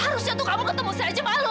harusnya tuh kamu ketemu saya aja malu